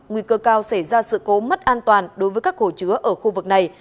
nguy cơ cao xảy ra sự cố mất an toàn đối với các hồ chứa ở khu vực này